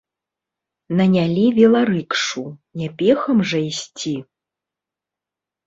Нанялі веларыкшу, не пехам жа ісці.